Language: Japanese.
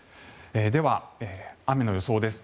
では、雨の予想です。